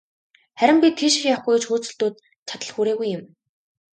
Харин би тийшээ явахгүй гэж хөөцөлдөөд, чадал хүрээгүй юм.